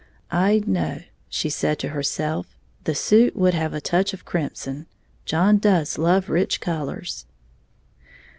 "I'd know," she said to herself, "the suit would have a touch of crimson John does love rich colors!"